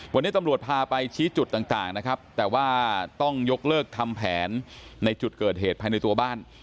วันนี้ตำรวจพาไปชี้จุดต่างนะครับแต่ว่าต้องยกเลิกทำแผนในจุดเกิดเหตุภายในตัวบ้าน